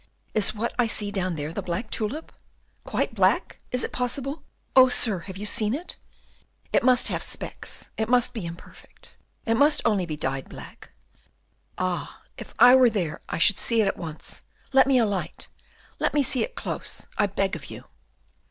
Is what I see down there the black tulip? Quite black? Is it possible? Oh, sir, have you seen it? It must have specks, it must be imperfect, it must only be dyed black. Ah! if I were there, I should see it at once. Let me alight, let me see it close, I beg of you."